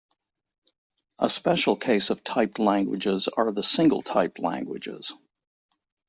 A special case of typed languages are the "single-type" languages.